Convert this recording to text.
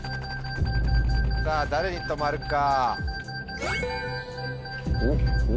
さぁ誰に止まるか。